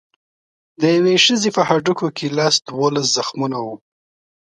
د یوې ښځې په هډوکو کې لس دولس زخمونه وو.